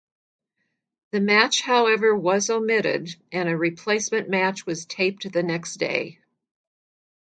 The match, however, was omitted, and a replacement match was taped the next day.